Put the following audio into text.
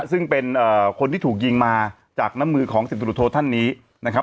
ซึ่งเป็นเออคนที่ถูกยิงมาจากหน้ามือของศิษย์ศาสโรโทศ์ท่านนี้นะครับ